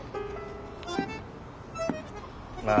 まあ。